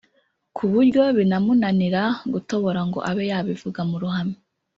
ku buryo binamunanira gutobora ngo abe yabivuga mu ruhame